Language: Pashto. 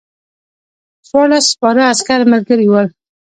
څوارلس سپاره عسکر ملګري ول.